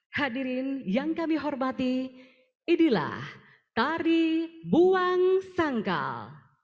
hadirin yang kami hormati inilah tari buang sangkal